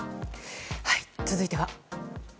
続いては。